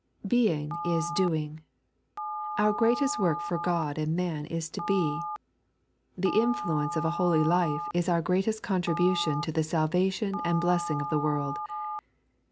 BEING is doing. Onr greatest work for God and man is to be. Tbe influence of a holy life is our greatest contribution to tbe salvation and blessing of tbe world.